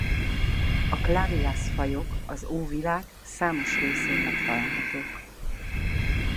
A Clarias-fajok az Óvilág számos részén megtalálhatók.